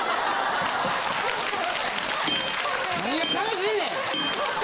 何が楽しいねん！